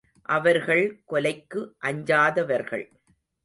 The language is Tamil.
அவர்கள் கொலைக்கு அஞ்சாதவர்கள்.